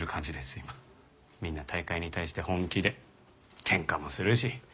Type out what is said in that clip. みんな大会に対して本気で喧嘩もするし。